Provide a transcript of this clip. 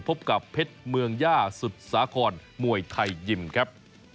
พบกับเพชรเผ็จเมืองหญ้าสุดสาของมวยไทยหชิมครับ